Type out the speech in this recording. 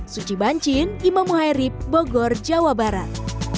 suci bancin imam muhairib bogor jawa barat